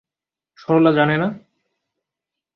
সরলা জানে না?